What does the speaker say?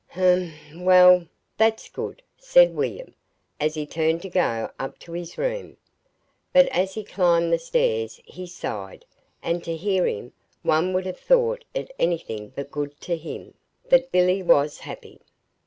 "Hm m; well, THAT'S good," said William, as he turned to go up to his room. But as he climbed the stairs he sighed; and to hear him, one would have thought it anything but good to him that Billy was happy.